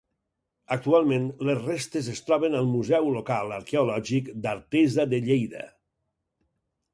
Actualment, les restes es troben al Museu Local Arqueològic d'Artesa de Lleida.